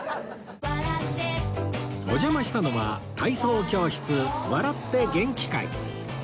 お邪魔したのは体操教室笑ってげんき会